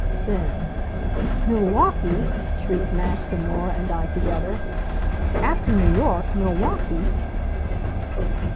Then "Milwaukee!" shrieked Max and Norah and I, together. "After New York Milwaukee!"